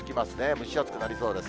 蒸し暑くなりそうです。